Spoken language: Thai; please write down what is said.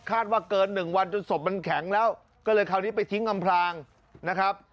ว่าเกิน๑วันจนศพมันแข็งแล้วก็เลยคราวนี้ไปทิ้งอำพลางนะครับ